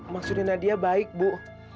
maksudnya nadia baik bu